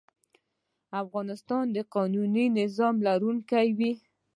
افغانستان د قانوني نظام لرونکی وي.